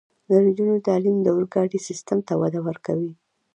د نجونو تعلیم د اورګاډي سیستم ته وده ورکوي.